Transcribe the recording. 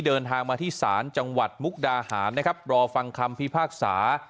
เดินทางมาที่ศาลจังหวัดมุกดาหารนะครับรอฟังคำพิพากษา